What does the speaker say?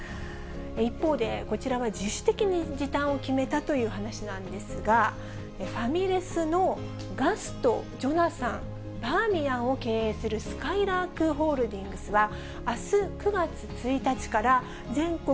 一方で、こちらは自主的に時短を決めたという話なんですが、ファミレスのガスト、ジョナサン、バーミヤンを経営するすかいらーくホールディングスは、あす９月１日から全国